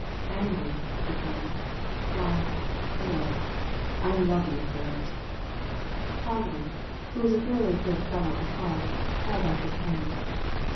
"Angry!" he cried. "Why, boy, I love you for it.'* Hardman, who was a thoroughly good fellow at heart, held out his hand.